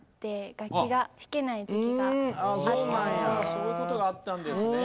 そういうことがあったんですね。